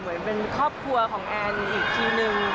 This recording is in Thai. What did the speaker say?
เหมือนเป็นครอบครัวของแอนอีกทีนึง